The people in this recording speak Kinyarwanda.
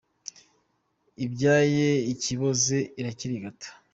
Ibyaye ikiboze irakirigata.